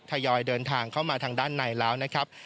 คนสนิททยอยเดินทางเข้ามาทางด้านในนะครับ